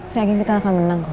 saya yakin kita akan menang